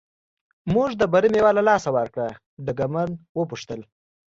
موږ د بري مېوه له لاسه ورکړه، ډګرمن و پوښتل.